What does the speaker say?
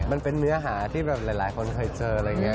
มันเป็นเนื้อหาที่แบบหลายคนเคยเจออะไรอย่างนี้